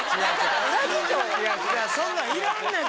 そんなんいらんねんて！